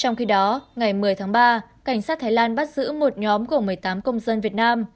trong khi đó ngày một mươi tháng ba cảnh sát thái lan bắt giữ một nhóm của một mươi tám công dân việt nam